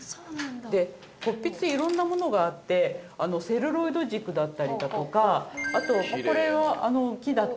で骨筆色んなものがあってセルロイド軸だったりだとかあとこれは木だったり。